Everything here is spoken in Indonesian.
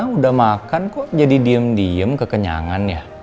udah makan kok jadi diem diem kekenyangan ya